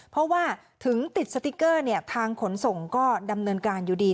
เพราะว่าถึงติดสติ๊กเกอร์ทางขนส่งก็ดำเนินการอยู่ดี